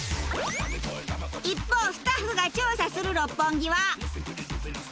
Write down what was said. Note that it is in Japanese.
一方スタッフが調査する六本木は。